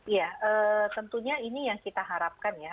ya tentunya ini yang kita harapkan ya